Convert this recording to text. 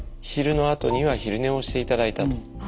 昼のあとには昼寝をしていただいたと。